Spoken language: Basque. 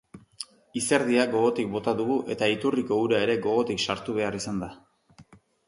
Izerdia gogotik bota dugu eta iturriko ura ere gogotik sartu behar izan da.